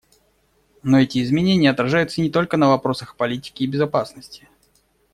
Но эти изменения отражаются не только на вопросах политики и безопасности.